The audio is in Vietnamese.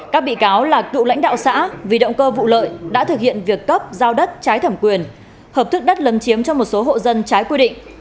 các bị cáo là cựu lãnh đạo xã vì động cơ vụ lợi đã thực hiện việc cấp giao đất trái thẩm quyền hợp thức đất lấn chiếm cho một số hộ dân trái quy định